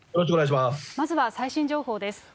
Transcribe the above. まずは最新情報です。